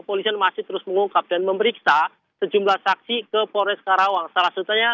polisian masih terus mengungkap dan memeriksa sejumlah saksi ke polres karawang salah satunya